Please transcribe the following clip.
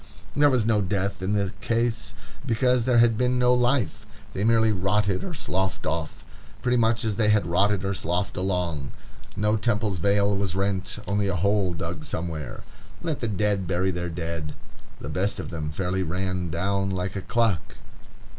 There was no death in the case, because there had been no life; they merely rotted or sloughed off, pretty much as they had rotted or sloughed along. No temple's veil was rent, only a hole dug somewhere. Let the dead bury their dead. The best of them fairly ran down like a clock.